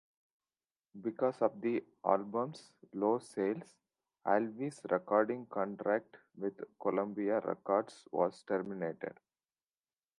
Because of the album's low sales, Alvin's recording contract with Columbia Records was terminated.